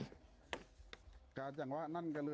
พี่บริสุทธิ์เหรอครับไม่ได้ผิดหรอก